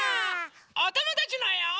おともだちのえを。